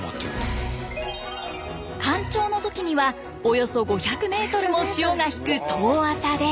干潮の時にはおよそ５００メートルも潮が引く遠浅で。